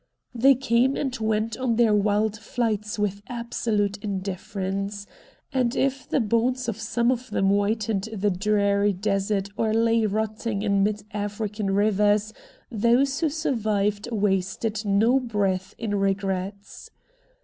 They came and went on their wild flights with absolute indifference, and if the bones of some of them whitened the drear desert or lay rotting in mid African rivers those who survived wasted no breath in regrets.